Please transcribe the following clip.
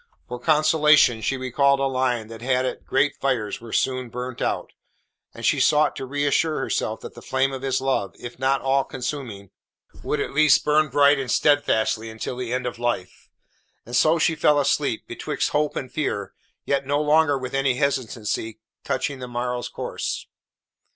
For consolation she recalled a line that had it great fires were soon burnt out, and she sought to reassure herself that the flame of his love, if not all consuming, would at least burn bright and steadfastly until the end of life. And so she fell asleep, betwixt hope and fear, yet no longer with any hesitancy touching the morrow's course.